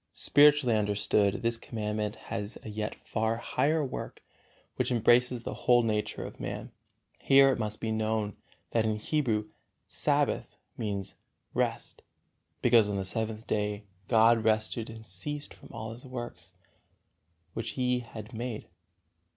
XVII. Spiritually understood, this Commandment has a yet far higher work, which embraces the whole nature of man. Here it must be known that in Hebrew "Sabbath" means "rest," because on the seventh day God rested and ceased from all His works, which He had made.